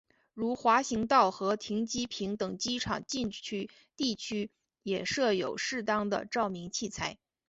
如滑行道和停机坪等机场禁区地区也设有适当的照明器材。